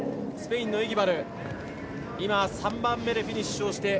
スペインのエギバルが３番目でフィニッシュ。